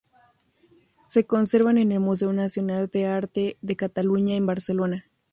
Se conservan en el Museo Nacional de Arte de Cataluña en Barcelona.